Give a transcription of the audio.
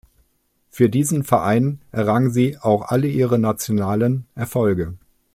Für diesen Verein errang sie auch alle ihre nationalen Erfolge.